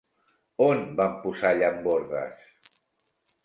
On van posar llambordes?